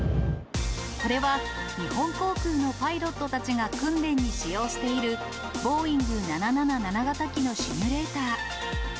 これは、日本航空のパイロットたちが訓練に使用している、ボーイング７７７型機のシミュレーター。